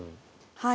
はい。